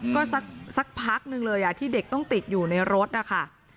ก็สักพักนึงเลยที่เด็กต้องติดอยู่ในรถนะคะ